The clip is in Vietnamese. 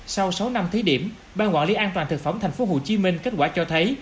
sau sáu năm thí điểm ban quản lý an toàn thực phẩm thành phố hồ chí minh kết quả cho thấy